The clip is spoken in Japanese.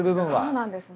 そうなんですね。